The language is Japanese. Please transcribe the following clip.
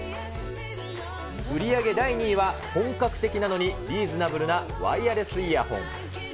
売り上げ第２位は本格的なのにリーズナブルなワイヤレスイヤホン。